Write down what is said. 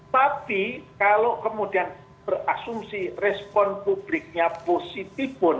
tapi kalau kemudian berasumsi respon publiknya positif pun